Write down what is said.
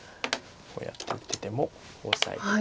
こうやって打っててもオサえて。